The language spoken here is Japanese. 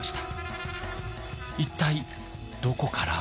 一体どこから？